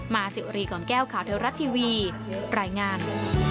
สิวรีกล่อมแก้วข่าวเทวรัฐทีวีรายงาน